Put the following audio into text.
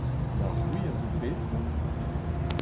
Na c'hwi a zo beskont ?